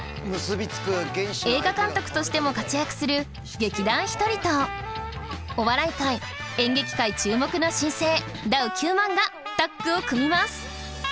映画監督としても活躍する劇団ひとりとお笑い界演劇界注目の新星ダウ９００００がタッグを組みます！